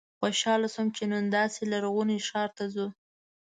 خوشاله شوم چې نن داسې لرغوني ښار ته ځو.